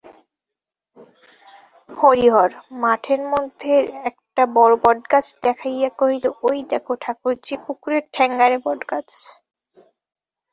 হরিহর মাঠের মধ্যের একটা বড় বটগাছ দেখাইয়া কহিল-ওই দেখো ঠাকুরঝি পুকুরের ঠ্যাঙাড়ে বটগাছ।